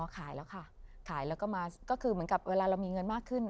ขายแล้วค่ะขายแล้วก็มาก็คือเหมือนกับเวลาเรามีเงินมากขึ้น